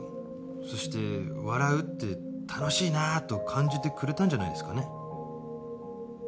そして笑うって楽しいなと感じてくれたんじゃないですかね。